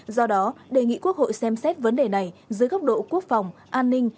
do đó đề nghị quốc hội xem xét vấn đề này dưới góc độ quốc phòng an ninh